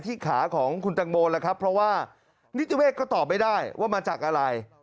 ที่ขาของคุณจังมโงนะครับเพราะว่ามิถุเวศรก็ตอบไม่ได้ว่ามาจากอะไร